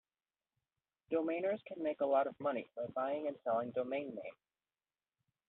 Domainers can make a lot of money by buying and selling domain names.